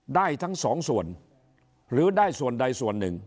ได้ทั้งสองส่วนหรือได้ส่วนใดส่วนหนึ่ง